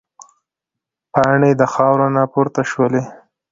پاڼې د خاورو نه پورته شولې.